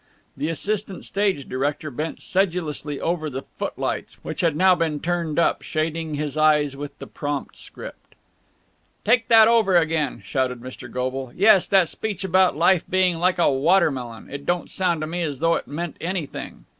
The assistant stage director bent sedulously over the footlights, which had now been turned up, shading his eyes with the prompt script. "Take that over again!" shouted Mr. Goble. "Yes, that speech about life being like a water melon. It don't sound to me as though it meant anything."